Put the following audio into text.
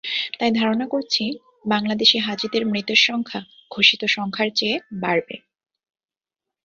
তাই ধারণা করছি, বাংলাদেশি হাজিদের মৃতের সংখ্যা ঘোষিত সংখ্যার চেয়ে বাড়বে।